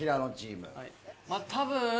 多分。